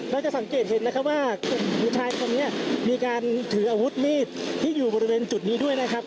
เราจะสังเกตเห็นนะครับว่ากลุ่มผู้ชายคนนี้มีการถืออาวุธมีดที่อยู่บริเวณจุดนี้ด้วยนะครับ